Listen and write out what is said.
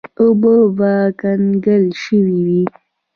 اوبه به کنګل شوې وې.